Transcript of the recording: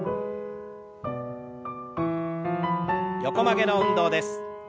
横曲げの運動です。